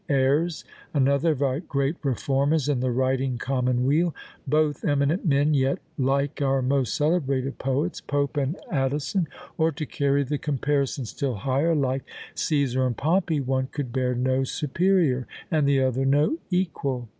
Ayres, another of our great reformers in the writing commonweal, both eminent men, yet, like our most celebrated poets Pope and Addison, or, to carry the comparison still higher, like Cæsar and Pompey, one could bear no superior, and the other no equal."